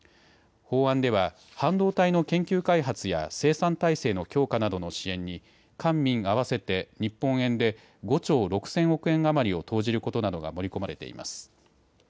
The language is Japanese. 法案では半導体の研究開発や生産体制の強化などの支援に官民合わせて日本円で５兆６０００億円余りを投じることなどが盛り込まれています。